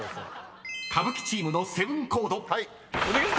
［歌舞伎チームのセブンコード］